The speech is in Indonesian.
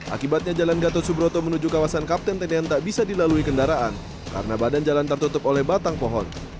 akibatnya jalan gatot subroto menuju kawasan kapten tendian tak bisa dilalui kendaraan karena badan jalan tertutup oleh batang pohon